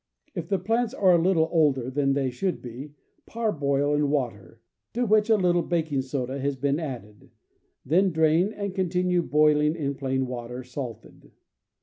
If the plants are a little older than they should be, par boil in water to which a little baking soda has been added; then drain, and continue boiling in plain water, salted.